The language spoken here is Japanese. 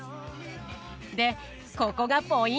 でここがポイント！